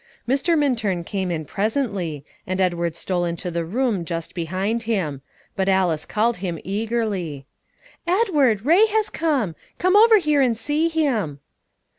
Mr. Minturn came in presently, and Edward stole into the room just behind him; but Alice called him eagerly: "Edward, Ray has come! Come over here and see him."